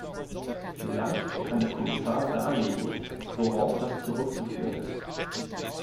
Vielleicht kann der Kommissar darlegen, worauf das zurückzuführen ist.